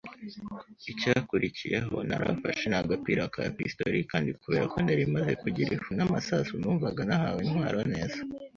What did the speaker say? Icyakurikiyeho narafashe ni agapira ka pistolet, kandi kubera ko nari maze kugira ifu n'amasasu, numvaga nahawe intwaro neza.